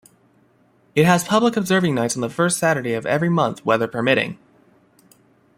It has public observing nights on the first Saturday of every month, weather permitting.